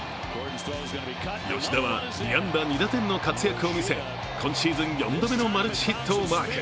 吉田は２安打２打点の活躍を見せ今シーズン４度目のマルチヒットをマーク。